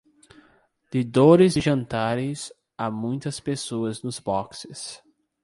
De dores e jantares, há muitas pessoas nos boxes.